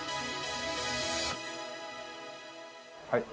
はい。